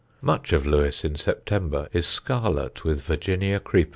(Much of Lewes in September is scarlet with Virginia creeper.)